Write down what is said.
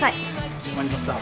かしこまりました。